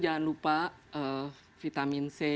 jangan lupa vitamin c